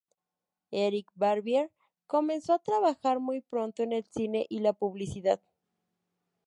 Éric Barbier comenzó a trabajar muy pronto en el cine y la publicidad.